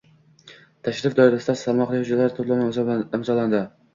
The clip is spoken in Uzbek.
Tashrif doirasida salmoqli hujjatlar to‘plami imzolandi